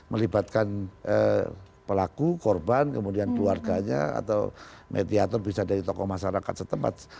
melibatkan pelaku korban kemudian keluarganya atau mediator bisa dari tokoh masyarakat setempat